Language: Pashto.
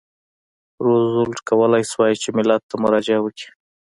روزولټ کولای شوای چې ملت ته مراجعه وکړي.